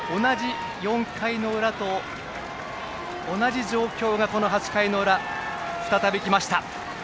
４回の裏と同じ状況が８回の裏再び来ました。